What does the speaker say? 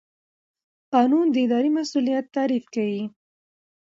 قانون د اداري مسوولیت تعریف کوي.